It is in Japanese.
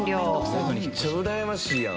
めっちゃうらやましいやん。